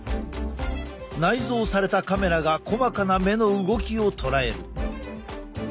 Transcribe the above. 内蔵されたカメラが細かな目の動きを捉える。